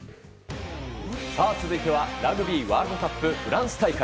続いてはラグビーワールドカップフランス大会。